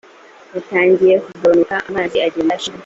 yatangiye kugabanuka amazi agenda ashiramo